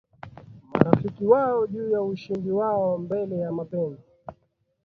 marafiki wao juu ya ushindi wao mbele ya mapenzi